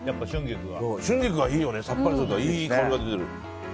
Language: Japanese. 春菊がいいよねさっぱりしていい香りが出てる。